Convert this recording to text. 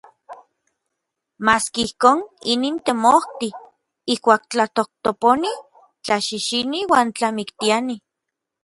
Maski ijkon, inin temojti. Ijkuak tlatojtoponi, tlaxixini uan tlamiktiani.